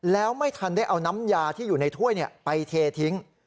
แล้วไม่ทันได้เอาน้ำยาที่อยู่ในถ้วยไปเททิ้ง